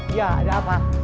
iya ada apa